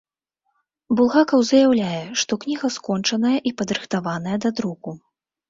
Булгакаў заяўляе, што кніга скончаная і падрыхтаваная да друку.